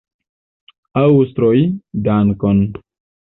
Aŭstroj, dankon!